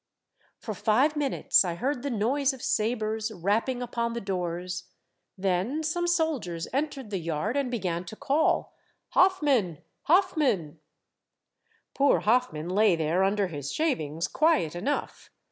" For five minutes I heard the noise of sabres, rapping upon the doors. Then some soldiers entered the yard, and began to call, —"' Hoffman, Hoffman !'" Poor Hoffman lay there under his shavings, quiet enough.